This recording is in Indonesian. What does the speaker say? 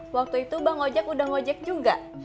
waktu itu bang ojek udah ngojek juga